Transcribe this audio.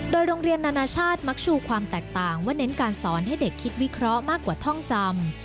โดยโรงเรียนนานาชาติมักชูความแตกต่างว่าเน้นการสอนให้เด็กคิดวิเคราะห์มากกว่าท่องจำ